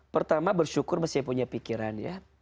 pertama bersyukur mesti punya pikiran ya